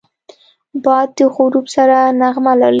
باد د غروب سره نغمه لولي